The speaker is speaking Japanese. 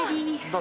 誰？